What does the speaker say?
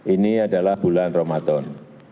ini adalah bulan ramadan